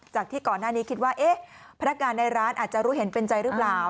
ที่ก่อนหน้านี้คิดว่าเอ๊ะพนักงานในร้านอาจจะรู้เห็นเป็นใจหรือเปล่า